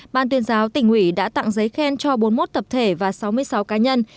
ban tuyên giáo tỉnh ủy đã tặng giấy khen cho bốn mươi một tập thể và sáu mươi sáu cá nhân